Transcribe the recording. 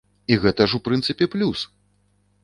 І гэта ж, у прынцыпе, плюс!